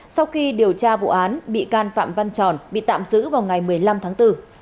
sau khi điều tra vụ án bị can phạm văn tròn bị tạm giữ vào ngày một mươi năm tháng bốn